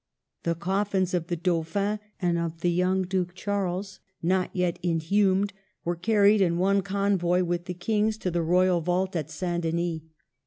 The coffins of the Dau phin and of the young Duke Charles, not yet inhumed, were carried in one convoy with the King's to the royal vault at St. Denis.